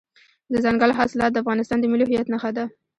دځنګل حاصلات د افغانستان د ملي هویت نښه ده.